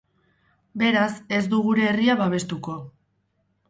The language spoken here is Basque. Beraz, ez du gure herria babestuko.